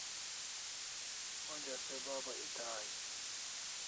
Onja se Baba eta ais